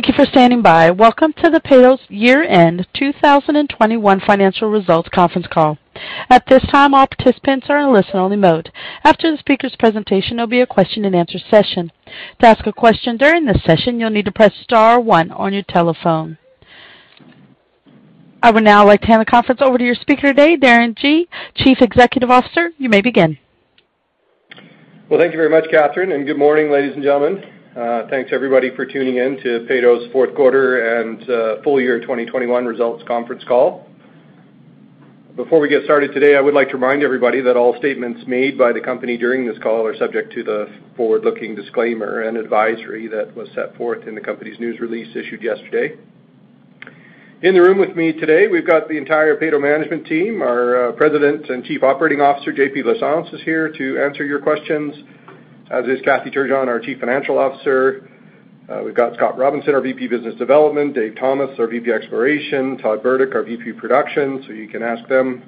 Thank you for standing by. Welcome to Peyto's year-end 2021 financial results conference call. At this time, all participants are in listen-only mode. After the speaker's presentation, there'll be a question-and-answer session. To ask a question during this session, you'll need to press star one on your telephone. I would now like to hand the conference over to your speaker today, Darren Gee, Chief Executive Officer. You may begin. Well, thank you very much, Catherine, and good morning, ladies and gentlemen. Thanks everybody for tuning in to Peyto's fourth quarter and full year 2021 results conference call. Before we get started today, I would like to remind everybody that all statements made by the company during this call are subject to the forward-looking disclaimer and advisory that was set forth in the company's news release issued yesterday. In the room with me today, we've got the entire Peyto management team. Our President and Chief Operating Officer, JP Lachance, is here to answer your questions, as is Kathy Turgeon, our Chief Financial Officer. We've got Scott Robinson, our VP, Business Development, Dave Thomas, our VP, Exploration, Todd Burdick, our VP, Production, so you can ask them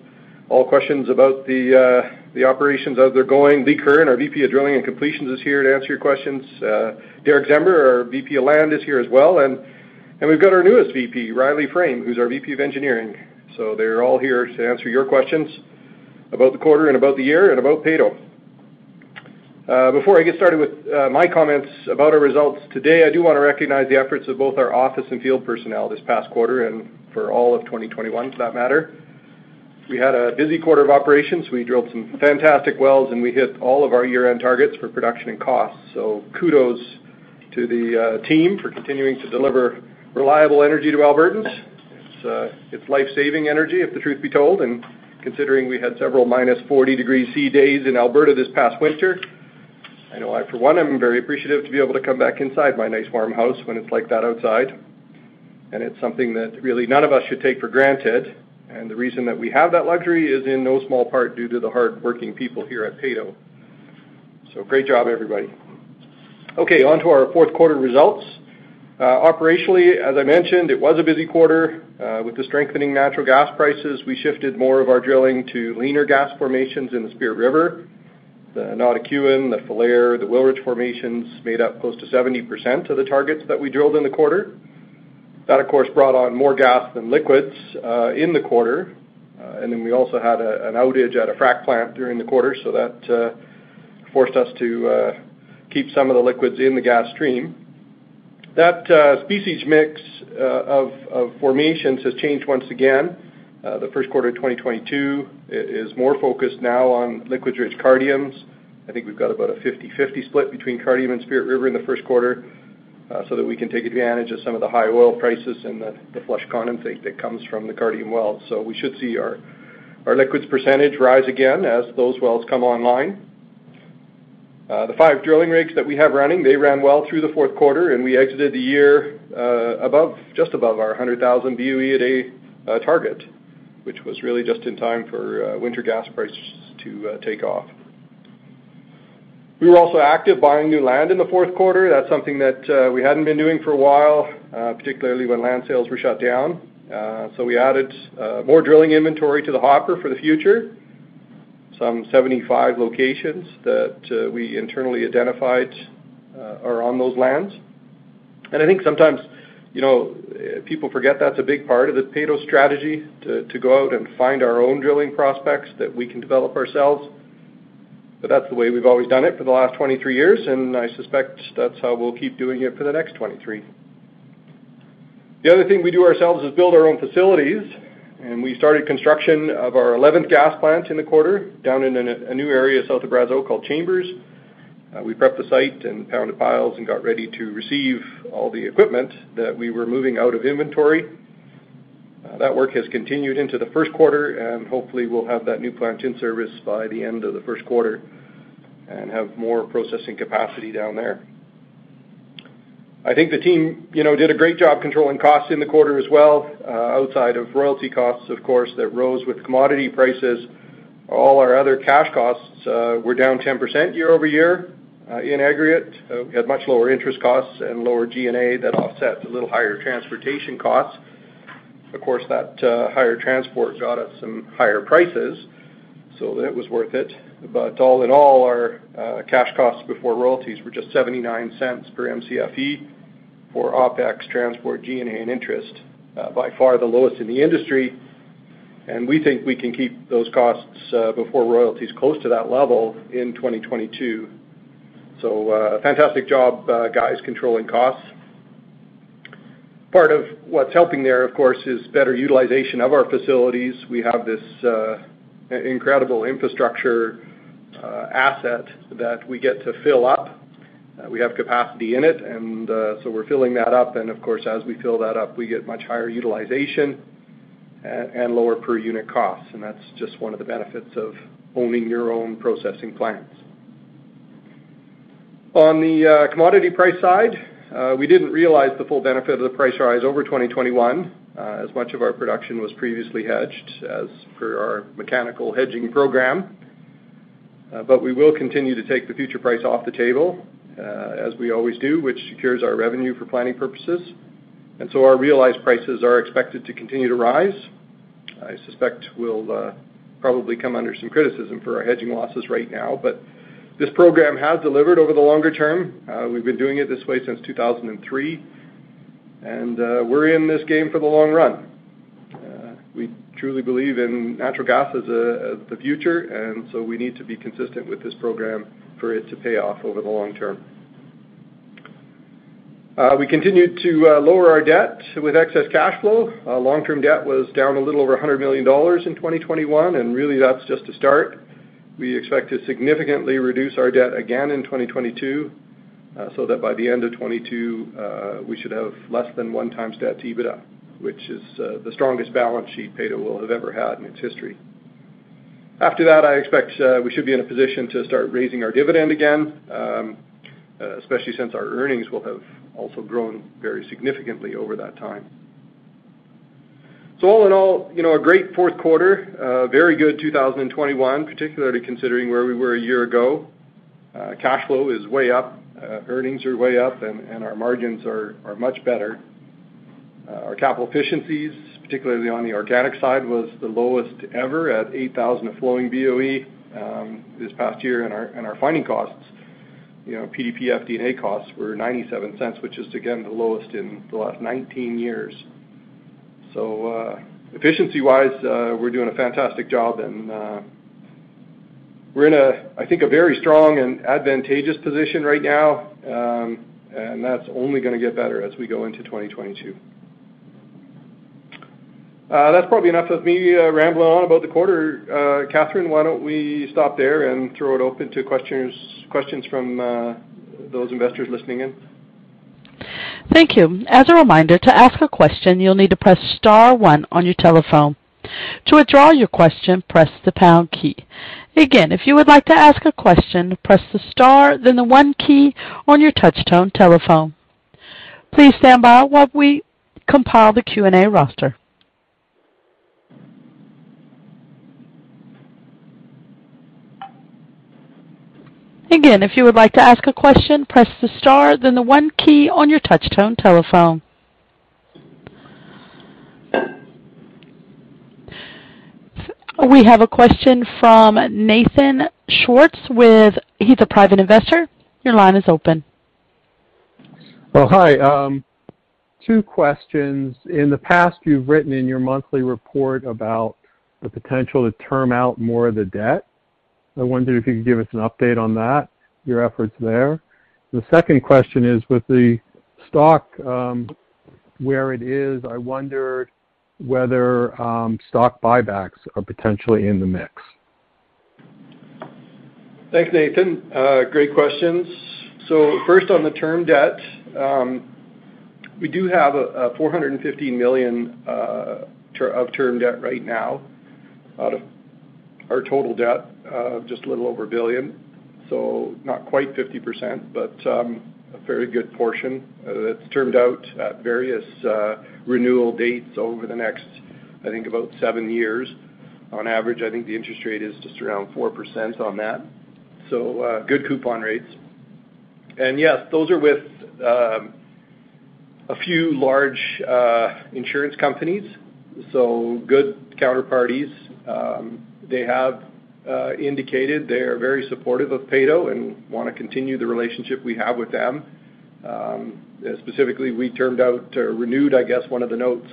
all questions about the operations, how they're going. Lee Curran, our VP of Drilling and Completions, is here to answer your questions. Derick Czember, our VP of Land, is here as well. We've got our newest VP, Riley Frame, who's our VP of Engineering. They're all here to answer your questions about the quarter and about the year and about Peyto. Before I get started with my comments about our results today, I do wanna recognize the efforts of both our office and field personnel this past quarter and for all of 2021 for that matter. We had a busy quarter of operations. We drilled some fantastic wells, and we hit all of our year-end targets for production and costs. Kudos to the team for continuing to deliver reliable energy to Albertans. It's life-saving energy, if the truth be told, and considering we had several minus 40 degrees Celsius days in Alberta this past winter. I know I, for one, am very appreciative to be able to come back inside my nice warm house when it's like that outside, and it's something that really none of us should take for granted. The reason that we have that luxury is in no small part due to the hardworking people here at Peyto. Great job everybody. Okay, on to our fourth quarter results. Operationally, as I mentioned, it was a busy quarter. With the strengthening natural gas prices, we shifted more of our drilling to leaner gas formations in the Spirit River. The Notikewin, the Falher, the Wilrich formations made up close to 70% of the targets that we drilled in the quarter. That, of course, brought on more gas than liquids in the quarter. And then we also had an outage at a frac plant during the quarter, so that forced us to keep some of the liquids in the gas stream. That species mix of formations has changed once again. The first quarter of 2022 is more focused now on liquids-rich Cardium. I think we've got about a 50/50 split between Cardium and Spirit River in the first quarter, so that we can take advantage of some of the high oil prices and the flush condensate that comes from the Cardium wells. We should see our liquids percentage rise again as those wells come online. The 5 drilling rigs that we have running, they ran well through the fourth quarter, and we exited the year just above our 100,000 BOE a day target, which was really just in time for winter gas prices to take off. We were also active buying new land in the fourth quarter. That's something that we hadn't been doing for a while, particularly when land sales were shut down. We added more drilling inventory to the hopper for the future. Some 75 locations that we internally identified are on those lands. I think sometimes, you know, people forget that's a big part of the Peyto strategy to go out and find our own drilling prospects that we can develop ourselves. That's the way we've always done it for the last 23 years, and I suspect that's how we'll keep doing it for the next 23. The other thing we do ourselves is build our own facilities, and we started construction of our 11th gas plant in the quarter down in a new area south of Brazeau called Chambers. We prepped the site and pounded piles and got ready to receive all the equipment that we were moving out of inventory. That work has continued into the first quarter, and hopefully we'll have that new plant in service by the end of the first quarter and have more processing capacity down there. I think the team, you know, did a great job controlling costs in the quarter as well, outside of royalty costs, of course, that rose with commodity prices. All our other cash costs were down 10% year-over-year. In aggregate, we had much lower interest costs and lower G&A that offset the little higher transportation costs. Of course, that higher transport got us some higher prices, so it was worth it. All in all, our cash costs before royalties were just 0.79 per Mcfe for OpEx, transport, G&A, and interest. By far the lowest in the industry, and we think we can keep those costs before royalties close to that level in 2022. A fantastic job, guys, controlling costs. Part of what's helping there, of course, is better utilization of our facilities. We have this incredible infrastructure asset that we get to fill up. We have capacity in it and, so we're filling that up, and of course, as we fill that up, we get much higher utilization and lower per unit costs. That's just one of the benefits of owning your own processing plants. On the commodity price side, we didn't realize the full benefit of the price rise over 2021, as much of our production was previously hedged as per our mechanical hedging program. We will continue to take the future price off the table, as we always do, which secures our revenue for planning purposes. Our realized prices are expected to continue to rise. I suspect we'll probably come under some criticism for our hedging losses right now. This program has delivered over the longer term. We've been doing it this way since 2003, and we're in this game for the long run. We truly believe in natural gas as the future, and so we need to be consistent with this program for it to pay off over the long term. We continued to lower our debt with excess cash flow. Our long-term debt was down a little over 100 million dollars in 2021, and really, that's just a start. We expect to significantly reduce our debt again in 2022, so that by the end of 2022, we should have less than 1x debt to EBITDA, which is the strongest balance sheet Peyto will have ever had in its history. After that, I expect we should be in a position to start raising our dividend again, especially since our earnings will have also grown very significantly over that time. All in all, you know, a great fourth quarter, a very good 2021, particularly considering where we were a year ago. Cash flow is way up, earnings are way up, and our margins are much better. Our capital efficiencies, particularly on the organic side, was the lowest ever at 8,000 per flowing BOE, this past year. Our finding costs, you know, PDP FD&A costs were 0.97, which is again, the lowest in the last 19 years. Efficiency-wise, we're doing a fantastic job, and we're in a, I think, a very strong and advantageous position right now, and that's only gonna get better as we go into 2022. That's probably enough of me rambling on about the quarter. Catherine, why don't we stop there and throw it open to questions from those investors listening in? We have a question from Nathan Schwartz. He's a private investor. Your line is open. Well, hi. Two questions. In the past, you've written in your monthly report about the potential to term out more of the debt. I wonder if you could give us an update on that, your efforts there. The second question is, with the stock where it is, I wonder whether stock buybacks are potentially in the mix. Thanks, Nathan. Great questions. First on the term debt, we do have 450 million of term debt right now out of our total debt of just a little over 1 billion, so not quite 50%, but a very good portion that's termed out at various renewal dates over the next, I think, about 7 years on average. I think the interest rate is just around 4% on that, so good coupon rates. Yes, those are with a few large insurance companies, so good counterparties. They have indicated they are very supportive of Peyto and wanna continue the relationship we have with them. Specifically, we termed out or renewed, I guess, one of the notes,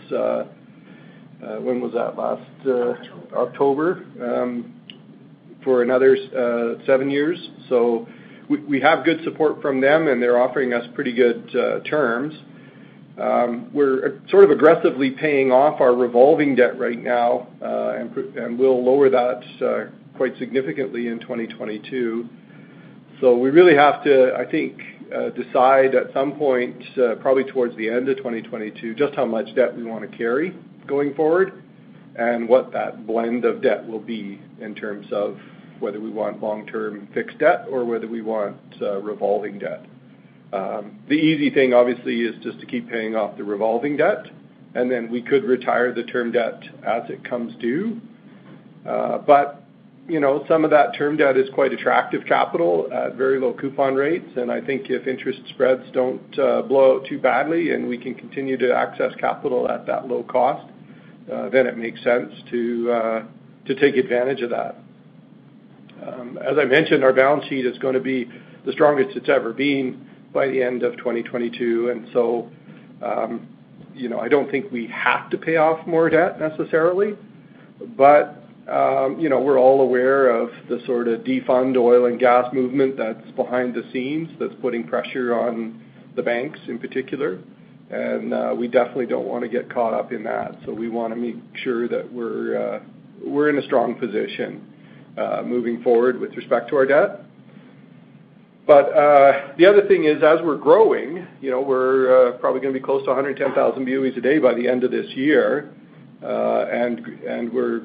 when was that? Last. October. October for another seven years. We have good support from them, and they're offering us pretty good terms. We're sort of aggressively paying off our revolving debt right now, and we'll lower that quite significantly in 2022. We really have to, I think, decide at some point, probably towards the end of 2022, just how much debt we wanna carry going forward and what that blend of debt will be in terms of whether we want long-term fixed debt or whether we want revolving debt. The easy thing obviously is just to keep paying off the revolving debt, and then we could retire the term debt as it comes due. You know, some of that term debt is quite attractive capital at very low coupon rates, and I think if interest spreads don't blow out too badly and we can continue to access capital at that low cost, then it makes sense to take advantage of that. As I mentioned, our balance sheet is gonna be the strongest it's ever been by the end of 2022, and so, you know, I don't think we have to pay off more debt necessarily. You know, we're all aware of the sort of defund oil and gas movement that's behind the scenes that's putting pressure on the banks in particular, and we definitely don't wanna get caught up in that. We wanna make sure that we're in a strong position moving forward with respect to our debt. The other thing is, as we're growing, you know, we're probably gonna be close to 110,000 BOEs a day by the end of this year, and we're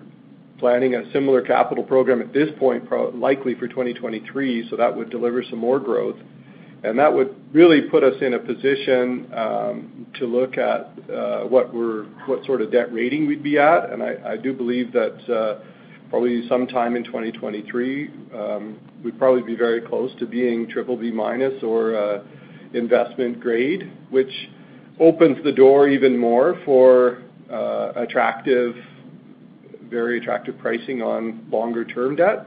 planning a similar capital program at this point likely for 2023, so that would deliver some more growth. That would really put us in a position to look at what sort of debt rating we'd be at, and I do believe that probably sometime in 2023, we'd probably be very close to being BBB- or investment grade, which opens the door even more for very attractive pricing on longer-term debt.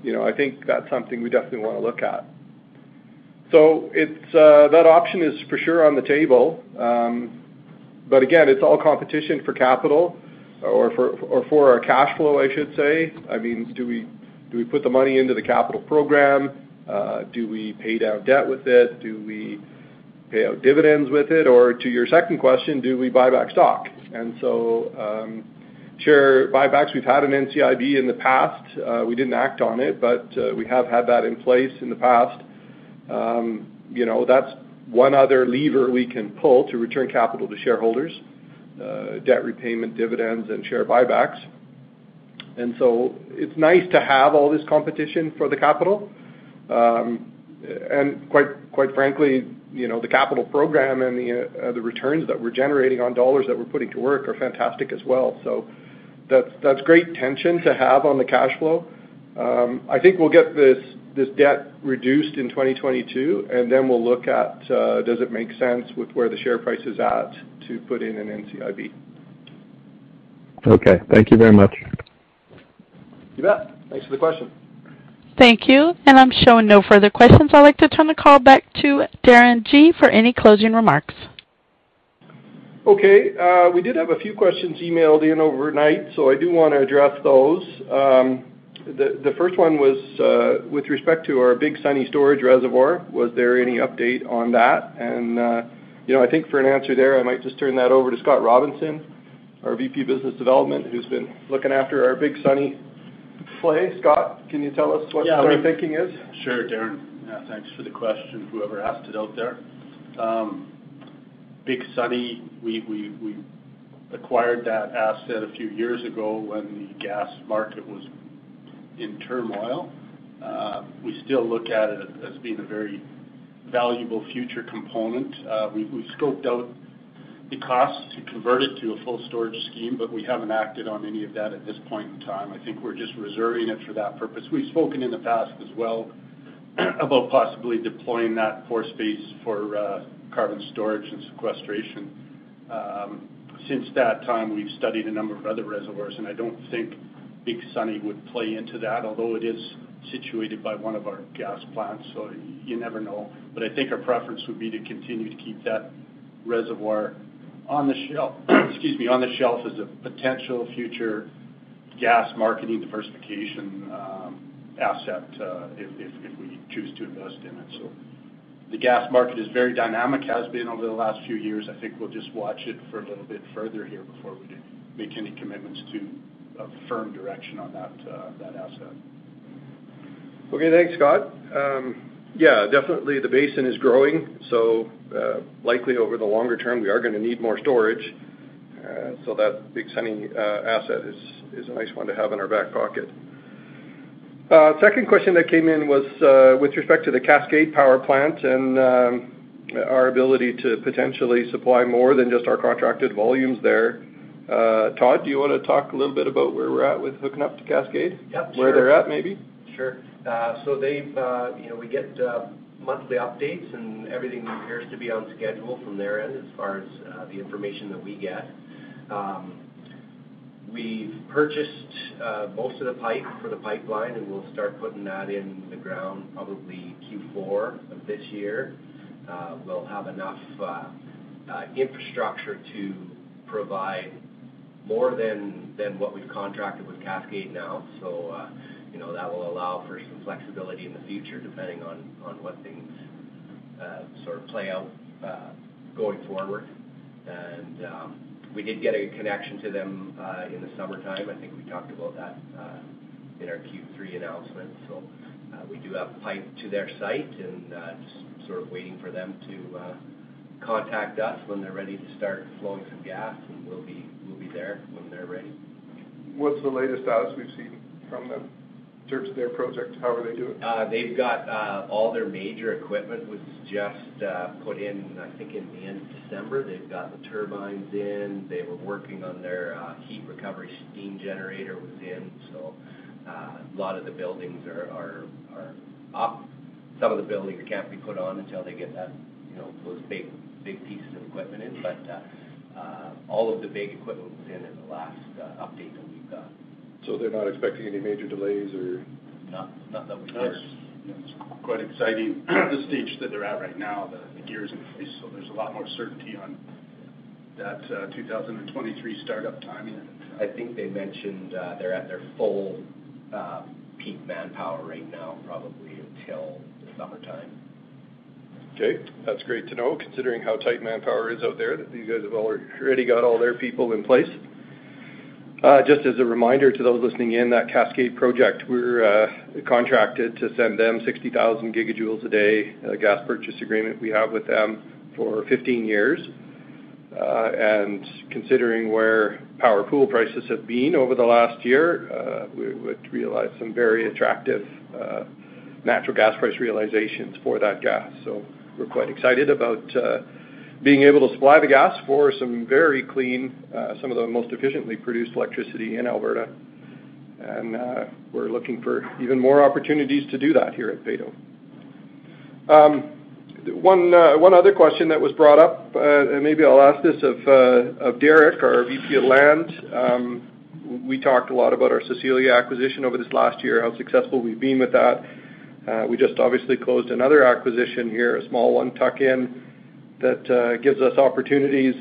You know, I think that's something we definitely wanna look at. That option is for sure on the table. Again, it's all competition for capital or for our cash flow, I should say. I mean, do we put the money into the capital program? Do we pay down debt with it? Do we pay out dividends with it? Or to your second question, do we buy back stock? Share buybacks, we've had an NCIB in the past. We didn't act on it, but we have had that in place in the past. You know, that's one other lever we can pull to return capital to shareholders, debt repayment, dividends, and share buybacks. It's nice to have all this competition for the capital. Quite frankly, you know, the capital program and the returns that we're generating on dollars that we're putting to work are fantastic as well. That's great tension to have on the cash flow. I think we'll get this debt reduced in 2022, and then we'll look at does it make sense with where the share price is at to put in an NCIB. Okay, thank you very much. You bet. Thanks for the question. Thank you. I'm showing no further questions. I'd like to turn the call back to Darren G. for any closing remarks. Okay. We did have a few questions emailed in overnight, so I do wanna address those. The first one was with respect to our Big Sunny storage reservoir, was there any update on that? You know, I think for an answer there, I might just turn that over to Scott Robinson, our VP Business Development, who's been looking after our Big Sunny play. Scott, can you tell us what our thinking is? Sure, Darren. Yeah, thanks for the question, whoever asked it out there. Big Sunny, we acquired that asset a few years ago when the gas market was in turmoil. We still look at it as being a very valuable future component. We scoped out the cost to convert it to a full storage scheme, but we haven't acted on any of that at this point in time. I think we're just reserving it for that purpose. We've spoken in the past as well about possibly deploying that pore space for carbon storage and sequestration. Since that time, we've studied a number of other reservoirs, and I don't think Big Sunny would play into that, although it is situated by one of our gas plants, so you never know. I think our preference would be to continue to keep that reservoir on the shelf as a potential future gas market diversification asset, if we choose to invest in it. The gas market is very dynamic, has been over the last few years. I think we'll just watch it for a little bit further here before we make any commitments to a firm direction on that asset. Okay. Thanks, Scott. Yeah, definitely the basin is growing, so likely over the longer term, we are gonna need more storage. That Big Sunny asset is a nice one to have in our back pocket. Second question that came in was with respect to the Cascade Power Project and our ability to potentially supply more than just our contracted volumes there. Todd, do you wanna talk a little bit about where we're at with hooking up to Cascade? Yeah, sure. Where they're at, maybe. Sure. So they've, you know, we get monthly updates, and everything appears to be on schedule from their end as far as the information that we get. We've purchased most of the pipe for the pipeline, and we'll start putting that in the ground probably Q4 of this year. We'll have enough infrastructure to provide more than what we've contracted with Cascade now. So, you know, that will allow for some flexibility in the future depending on what things sort of play out going forward. We did get a connection to them in the summertime. I think we talked about that in our Q3 announcement. We do have pipe to their site and sort of waiting for them to contact us when they're ready to start flowing some gas, and we'll be there when they're ready. What's the latest status we've seen from them in terms of their project? How are they doing? They've got all their major equipment, which was just put in, I think, in the end of December. They've got the turbines in. They were working on their heat recovery steam generator, which was in. A lot of the buildings are up. Some of the buildings can't be put on until they get that, you know, those big pieces of equipment in. All of the big equipment was in the last update that we've got. They're not expecting any major delays or. No, not that we've heard. Nice. It's quite exciting, the stage that they're at right now, the gear is in place, so there's a lot more certainty on that, 2023 startup timing. I think they mentioned, they're at their full, peak manpower right now, probably until the summertime. Okay. That's great to know, considering how tight manpower is out there, that these guys have already got all their people in place. Just as a reminder to those listening in, that Cascade project, we're contracted to send them 60,000 gigajoules a day, a gas purchase agreement we have with them for 15 years. Considering where power pool prices have been over the last year, we would realize some very attractive natural gas price realizations for that gas. We're quite excited about being able to supply the gas for some very clean some of the most efficiently produced electricity in Alberta. We're looking for even more opportunities to do that here at Peyto. One other question that was brought up and maybe I'll ask this of Derrick, our VP of Land. We talked a lot about our Cecilia acquisition over this last year, how successful we've been with that. We just obviously closed another acquisition here, a small one tuck-in that gives us opportunities.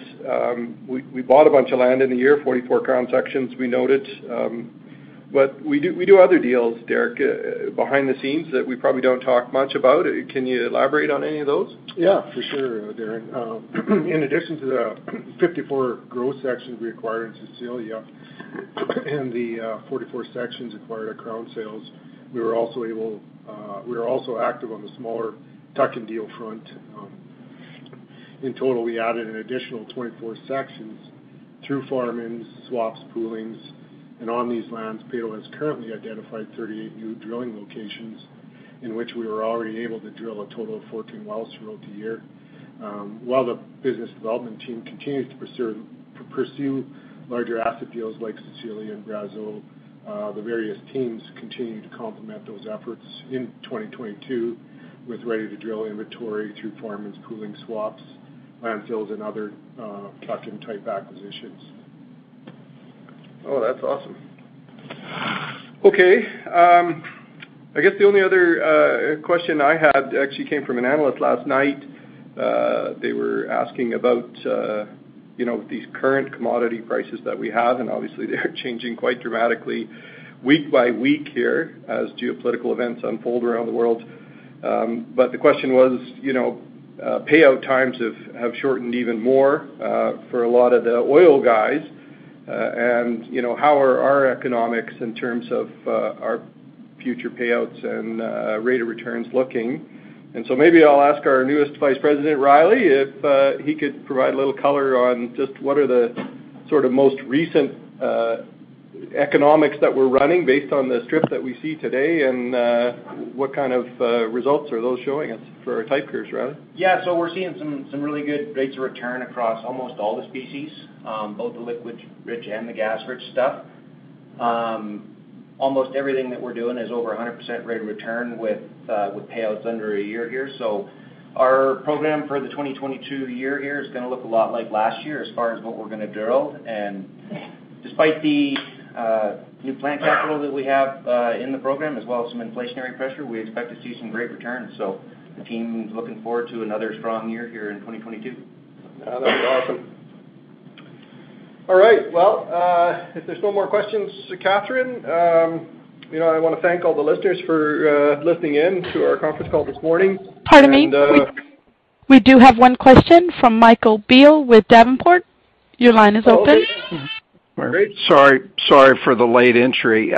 We bought a bunch of land in a year, 44 sections we noted. We do other deals, Derrick, behind the scenes that we probably don't talk much about. Can you elaborate on any of those? Yeah, for sure, Darren. In addition to the 54 growth sections we acquired in Cecilia and the 44 sections acquired at Crown sales, we were also active on the smaller tuck-in deal front. In total, we added an additional 24 sections through farm ins, swaps, poolings. On these lands, Peyto has currently identified 38 new drilling locations in which we were already able to drill a total of 14 wells throughout the year. While the business development team continues to pursue larger asset deals like Cecilia and Brazeau, the various teams continue to complement those efforts in 2022 with ready-to-drill inventory through farm ins, pooling swaps, land fills, and other tuck-in type acquisitions. Oh, that's awesome. Okay. I guess the only other question I had actually came from an analyst last night. They were asking about, you know, these current commodity prices that we have, and obviously they're changing quite dramatically week by week here as geopolitical events unfold around the world. The question was, you know, payout times have shortened even more for a lot of the oil guys. You know, how are our economics in terms of our future payouts and rate of returns looking? Maybe I'll ask our newest Vice President, Riley, if he could provide a little color on just what are the sort of most recent economics that we're running based on the strip that we see today, and what kind of results are those showing us for our type curves, Riley? Yeah. We're seeing some really good rates of return across almost all the species, both the liquids rich and the gas rich stuff. Almost everything that we're doing is over 100% rate of return with payouts under a year here. Our program for the 2022 year here is gonna look a lot like last year as far as what we're gonna drill. Despite the new plant capital that we have in the program, as well as some inflationary pressure, we expect to see some great returns. The team's looking forward to another strong year here in 2022. Yeah. That's awesome. All right. Well, if there's no more questions, Catherine, you know, I wanna thank all the listeners for listening in to our conference call this morning. Pardon me. We do have one question from Michael Biel with Davenport. Your line is open. Michael Biel. Great. Sorry for the late entry.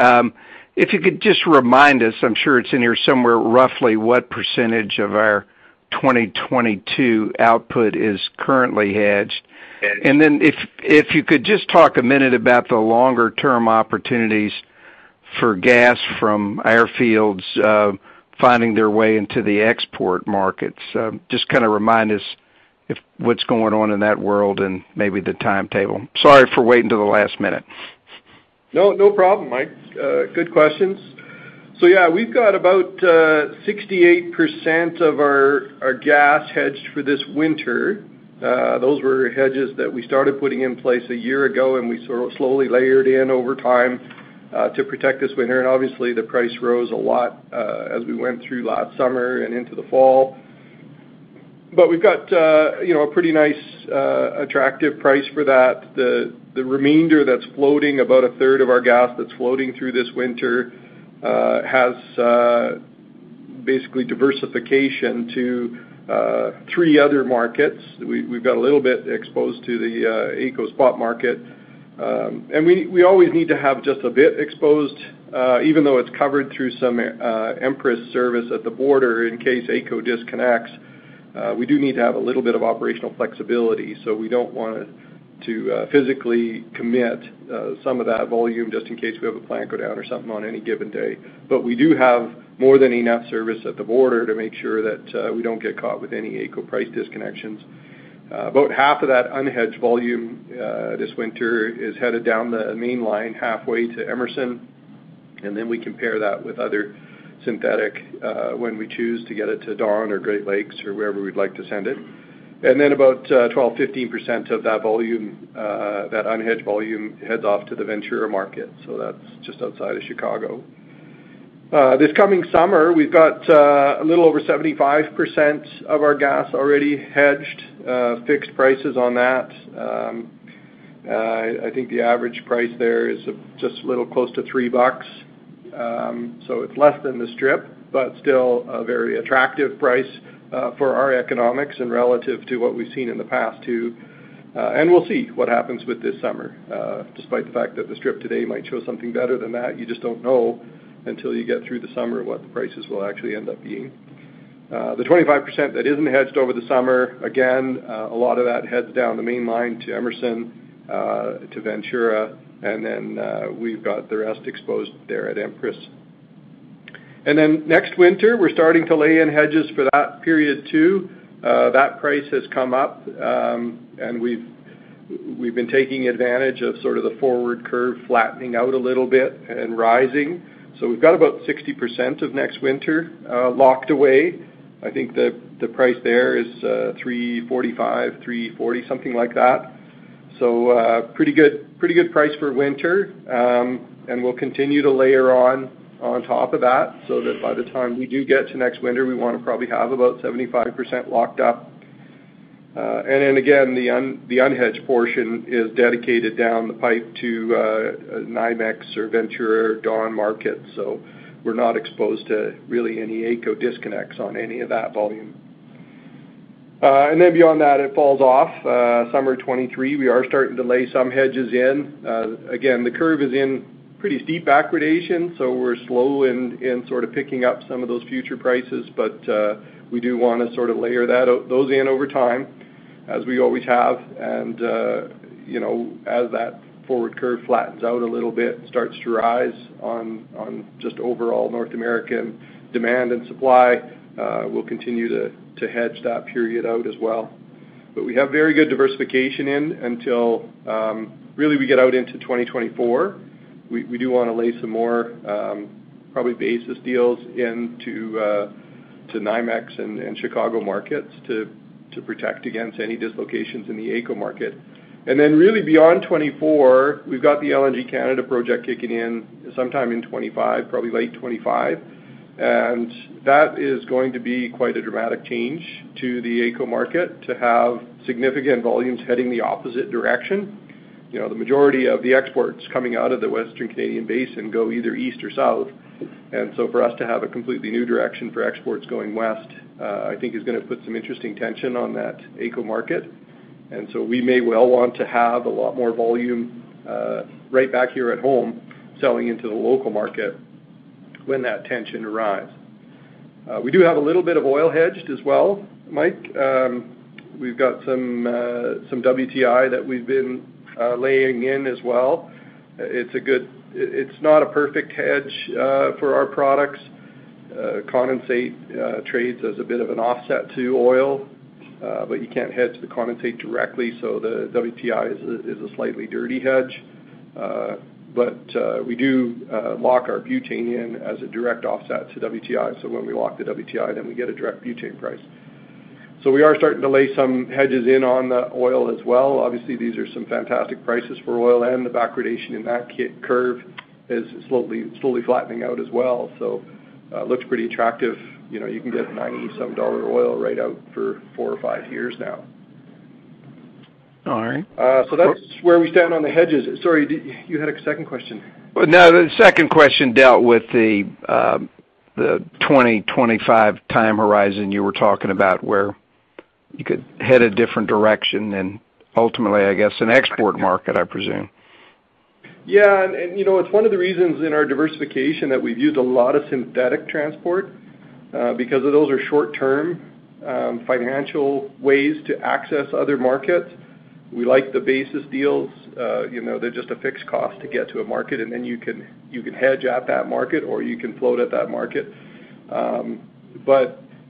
If you could just remind us, I'm sure it's in here somewhere, roughly what % of our 2022 output is currently hedged. Yeah. If you could just talk a minute about the longer term opportunities for gas from Alberta fields finding their way into the export markets. Just kinda remind us of what's going on in that world and maybe the timetable. Sorry for waiting till the last minute. No, no problem, Mike. Good questions. Yeah, we've got about 68% of our gas hedged for this winter. Those were hedges that we started putting in place a year ago, and we sort of slowly layered in over time to protect this winter. Obviously, the price rose a lot as we went through last summer and into the fall. We've got, you know, a pretty nice, attractive price for that. The remainder that's floating, about a third of our gas that's floating through this winter, has basically diversification to three other markets. We've got a little bit exposed to the AECO spot market. We always need to have just a bit exposed, even though it's covered through some Empress service at the border in case AECO disconnects, we do need to have a little bit of operational flexibility. We don't want to physically commit some of that volume just in case we have a plant go down or something on any given day. We do have more than enough service at the border to make sure that we don't get caught with any AECO price disconnections. About half of that unhedged volume this winter is headed down the main line halfway to Emerson, and then we compare that with other synthetic when we choose to get it to Dawn or Great Lakes or wherever we'd like to send it. About 12%-15% of that volume that unhedged volume heads off to the Ventura market, so that's just outside of Chicago. This coming summer, we've got a little over 75% of our gas already hedged, fixed prices on that. I think the average price there is just a little close to $3. So it's less than the strip, but still a very attractive price for our economics and relative to what we've seen in the past too. We'll see what happens with this summer. Despite the fact that the strip today might show something better than that, you just don't know until you get through the summer what the prices will actually end up being. The 25% that isn't hedged over the summer, again, a lot of that heads down the main line to Emerson, to Ventura, and then, we've got the rest exposed there at Empress. Next winter, we're starting to lay in hedges for that period too. That price has come up, and we've been taking advantage of sort of the forward curve flattening out a little bit and rising. We've got about 60% of next winter locked away. I think the price there is 3.45, 3.40, something like that. Pretty good price for winter. We'll continue to layer on top of that, so that by the time we do get to next winter, we wanna probably have about 75% locked up. The unhedged portion is dedicated down the pipe to NYMEX or Dawn market. We're not exposed to really any AECO disconnects on any of that volume. Beyond that, it falls off. Summer 2023, we are starting to lay some hedges in. Again, the curve is in pretty steep backwardation, so we're slow in sort of picking up some of those future prices. We do wanna sort of layer those in over time, as we always have. You know, as that forward curve flattens out a little bit and starts to rise on just overall North American demand and supply, we'll continue to hedge that period out as well. We have very good diversification in until really we get out into 2024. We do wanna lay some more probably basis deals into NYMEX and Chicago markets to protect against any dislocations in the AECO market. Then really beyond 2024, we've got the LNG Canada project kicking in sometime in 2025, probably late 2025. That is going to be quite a dramatic change to the AECO market to have significant volumes heading the opposite direction. You know, the majority of the exports coming out of the Western Canadian basin go either east or south. For us to have a completely new direction for exports going west, I think is gonna put some interesting tension on that AECO market. We may well want to have a lot more volume right back here at home selling into the local market when that tension arrives. We do have a little bit of oil hedged as well, Mike. We've got some WTI that we've been laying in as well. It's not a perfect hedge for our products. Condensate trades as a bit of an offset to oil, but you can't hedge the condensate directly, so the WTI is a slightly dirty hedge. But we do lock our butane in as a direct offset to WTI. When we lock the WTI, then we get a direct butane price. We are starting to lay some hedges in on the oil as well. Obviously, these are some fantastic prices for oil, and the backwardation in that curve is slowly flattening out as well. Looks pretty attractive. You know, you can get $97 oil right now for 4 or 5 years now. All right. That's where we stand on the hedges. Sorry, you had a second question. No, the second question dealt with the 2025 time horizon you were talking about, where you could head a different direction and ultimately, I guess, an export market, I presume. You know, it's one of the reasons in our diversification that we've used a lot of synthetic transport because those are short-term financial ways to access other markets. We like the basis deals. They're just a fixed cost to get to a market, and then you can hedge at that market or you can float at that market.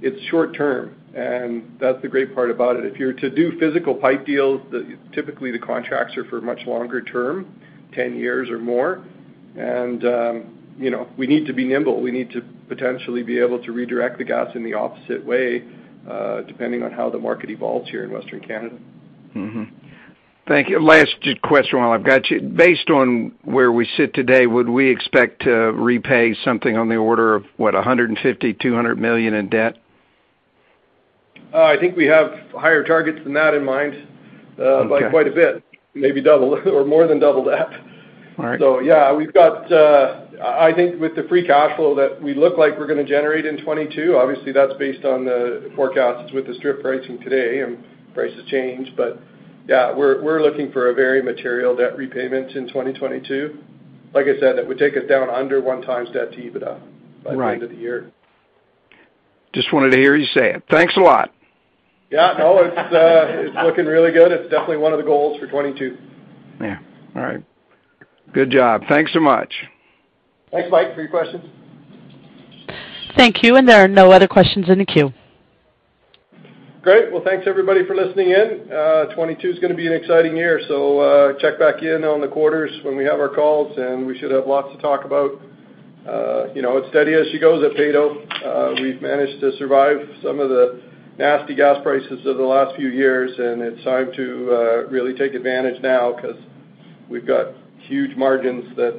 It's short term, and that's the great part about it. If you're to do physical pipe deals, typically the contracts are for much longer term, 10 years or more. You know, we need to be nimble. We need to potentially be able to redirect the gas in the opposite way depending on how the market evolves here in Western Canada. Thank you. Just last question while I've got you. Based on where we sit today, would we expect to repay something on the order of, what, 150 million-200 million in debt? I think we have higher targets than that in mind. Okay. By quite a bit. Maybe double or more than double that. All right. Yeah, we've got I think with the free cash flow that we look like we're gonna generate in 2022, obviously, that's based on the forecasts with the strip pricing today and prices change. Yeah, we're looking for a very material debt repayment in 2022. Like I said, that would take us down under one times debt to EBITDA. Right. by the end of the year. Just wanted to hear you say it. Thanks a lot. Yeah. No, it's looking really good. It's definitely one of the goals for 2022. Yeah. All right. Good job. Thanks so much. Thanks, Mike, for your questions. Thank you, and there are no other questions in the queue. Great. Well, thanks everybody for listening in. 2022 is gonna be an exciting year. Check back in on the quarters when we have our calls, and we should have lots to talk about. You know, as steady as she goes at Peyto, we've managed to survive some of the nasty gas prices of the last few years, and it's time to really take advantage now 'cause we've got huge margins that,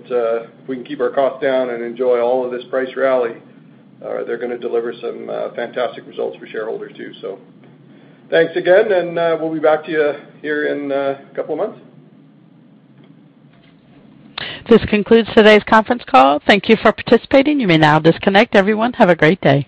if we can keep our costs down and enjoy all of this price rally, they're gonna deliver some fantastic results for shareholders too. Thanks again, and we'll be back to you here in a couple of months. This concludes today's conference call. Thank you for participating. You may now disconnect. Everyone, have a great day.